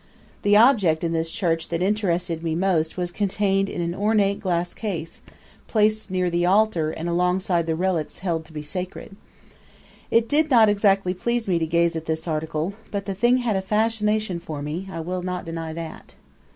The object in this church that interested me most was contained in an ornate glass case placed near the altar and alongside the relics held to be sacred. It did not exactly please me to gaze at this article; but the thing had a fascination for me; I will not deny that.